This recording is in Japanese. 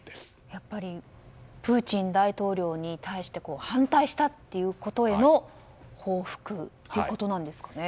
やっぱりプーチン大統領に対して反対したっていうことへの報復ということですかね。